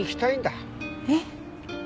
えっ？